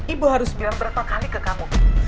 ibu harus bilang berapa kali ke kamu